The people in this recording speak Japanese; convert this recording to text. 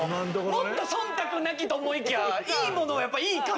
もっと忖度なきと思いきやいいものはやっぱりいいから。